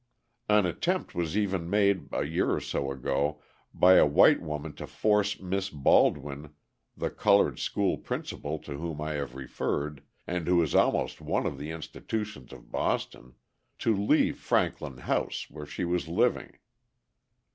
An attempt was even made a year or so ago by white women to force Miss Baldwin, the coloured school principal to whom I have referred, and who is almost one of the institutions of Boston, to leave Franklin House, where she was living.